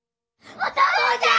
お父ちゃん！